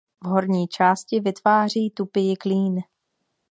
V horní části vytváří tupý klín.